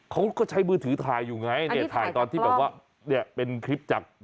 เขาก็ใช้มือถือถ่ายอยู่ไงเนี่ยถ่ายตอนที่แบบว่าเนี่ยเป็นคลิปจาก